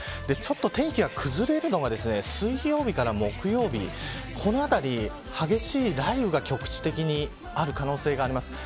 天気が崩れるのは水曜日から木曜日この辺り、激しい雷雨が局地的にある可能性があります。